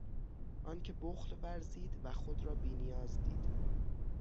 آنکه بخل ورزید و خود را بینیاز دید